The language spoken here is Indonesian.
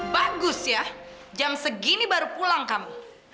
bagus ya jam segini baru pulang kamu